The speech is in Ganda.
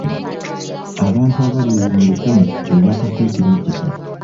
Abantu abali eyo mu lukumi be baakafa ekirwadde kino.